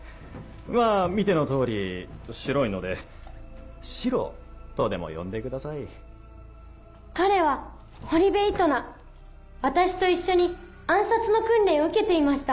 まあ見てのとおり白いので「シロ」とでも呼んでください彼は堀部イトナ私と一緒に暗殺の訓練を受けていました